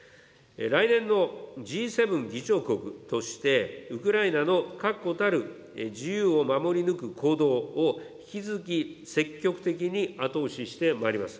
来年のＧ７議長国として、ウクライナの確固たる自由を守り抜く行動を引き続き積極的に後押ししてまいります。